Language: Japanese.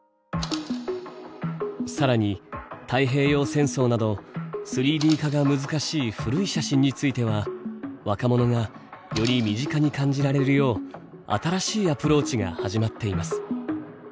更に太平洋戦争など３Ｄ化が難しい古い写真については若者がより身近に感じられるよう新しいアプローチが始まっています。